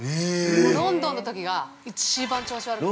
ロンドンのときが一番調子悪くて。